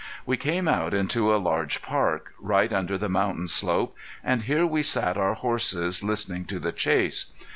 We came out into a large park, right under the mountain slope, and here we sat our horses listening to the chase.